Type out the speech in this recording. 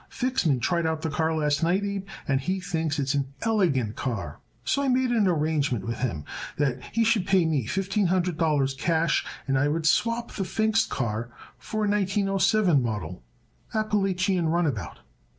Fixman tried out the car last night, Abe, and he thinks it's an elegant car. So I made an arrangement with him that he should pay me fifteen hundred dollars cash and I would swap the Pfingst car for a 1907 model, Appalachian runabout.